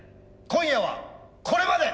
今夜はこれまで！